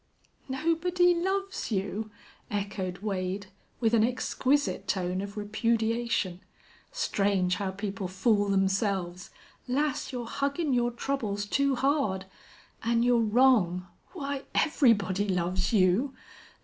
"Nobody loves you!" echoed Wade, with an exquisite tone of repudiation. "Strange how people fool themselves! Lass, you're huggin' your troubles too hard. An' you're wrong. Why, everybody loves you!